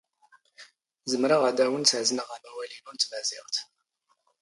ⵣⵎⵔⵖ ⴰⴷ ⴰⵡⵏⵜ ⴰⵣⵏⵖ ⴰⵎⴰⵡⴰⵍ ⵉⵏⵓ ⵏ ⵜⵎⴰⵣⵉⵖⵜ.